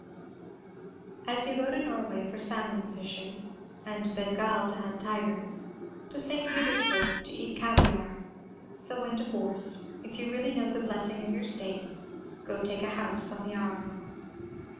As you go to Norway for salmon fishing, to Bengal to hunt tigers, to St. Petersburg to eat caviare, so when divorced, if you really know the blessing of your state, go take a house on the Arno.